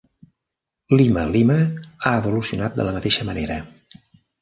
Lima Lima ha evolucionat de la mateixa manera.